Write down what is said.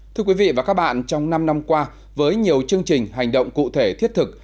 thưa quý vị và các bạn trong năm năm qua với nhiều chương trình hành động cụ thể thiết thực